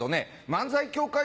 漫才協会